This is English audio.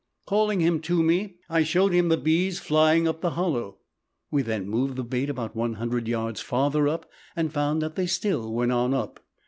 Calling him to me, I showed him the bees flying up the hollow. We then moved the bait about one hundred yards farther up and found that they still went on up.